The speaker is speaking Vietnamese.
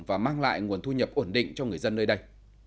và mang lại nguồn thu nhập ổn định cho người dân nơi đây